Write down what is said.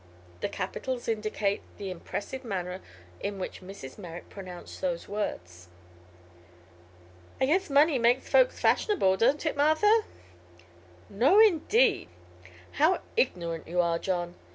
The capitals indicate the impressive manner in which Mrs. Merrick pronounced those words. "I guess money makes folks fashionable; don't it, Martha?" "No, indeed. How ignorant you are, John.